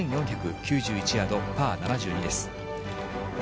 ６４９１ヤード、パー７２です。